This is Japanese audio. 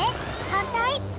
反対？